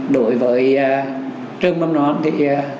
đối với trường mầm non thì